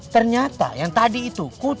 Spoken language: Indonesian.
ternyata yang tadi itu